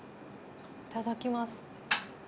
いただきます。